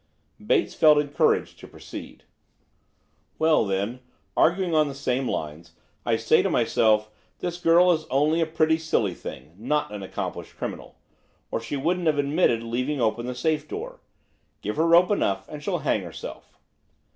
Bates felt encouraged to proceed. "Well, then, arguing on the same lines, I say to myself, this girl is only a pretty, silly thing, not an accomplished criminal, or she wouldn't have admitted leaving open the safe door; give her rope enough and she'll hang herself.